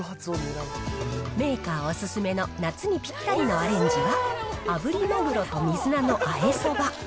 メーカーお勧めの夏にぴったりのアレンジは、あぶりマグロと水菜のあえそば。